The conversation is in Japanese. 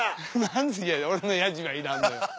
俺のヤジはいらんのよ。